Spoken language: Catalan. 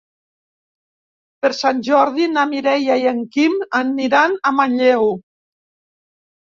Per Sant Jordi na Mireia i en Quim aniran a Manlleu.